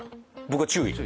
僕は注意？